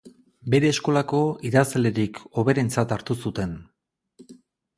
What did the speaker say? Bere eskolako idazlerik hoberentzat hartu zuten.